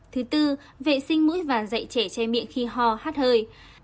thứ tư vệ sinh mũi và dạy trẻ che miệng khi ho hát hơi